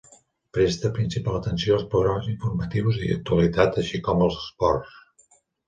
Presta principal atenció als programes informatius i d'actualitat així com als esports.